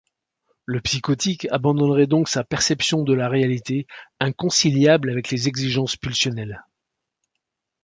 Le psychotique abandonnerait donc sa perception de la réalité, inconciliable avec les exigences pulsionnelles.